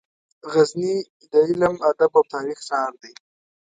غزني د علم، ادب او تاریخ ښار دی.